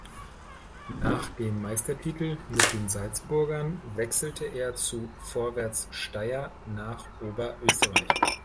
Nach dem Meistertitel mit den Salzburgern wechselte er zu Vorwärts Steyr nach Oberösterreich.